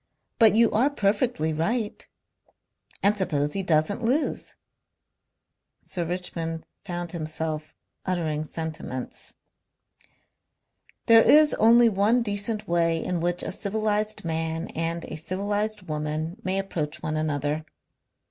"But you are perfectly right." "And suppose he doesn't lose!" Sir Richmond found himself uttering sentiments. "There is only one decent way in which a civilized man and a civilized woman may approach one another.